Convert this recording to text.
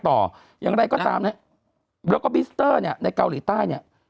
ต่อยังได้ก็ตามนะแล้วก็มิสเตอร์เนี่ยที่เผาริกาเนี่ย